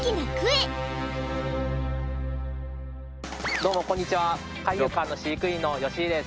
どうもこんにちは海遊館の飼育員の芳井です